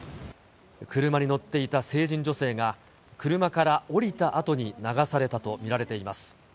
車に乗っていた成人女性が、車から降りたあとに流されたと見られています。